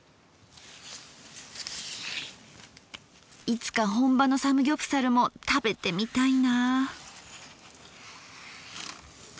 いつか本場のサムギョプサルも食べてみたいなぁ。